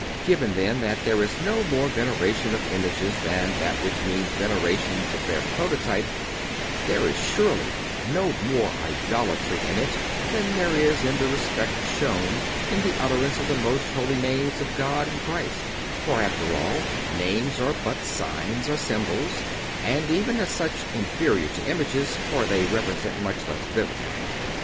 Given, then, that there is no other veneration of images than that which means veneration of their prototype, there is surely no more idolatry in it than there is in the respect shown in the utterance of the Most Holy Names of God and Christ; for, after all, names are but signs or symbols, and even as such inferior to images, for they represent much less vividly.